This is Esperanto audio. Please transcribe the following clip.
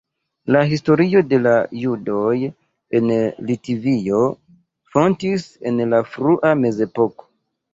La historio de la judoj en Litovio fontis en la frua mezepoko.